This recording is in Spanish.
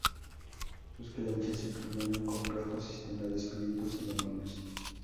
Sus creencias incluyen un complejo sistema de espíritus y demonios.